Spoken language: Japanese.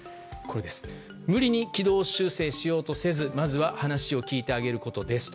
無理に軌道修正しようとせずまずは話を聞いてあげることですと。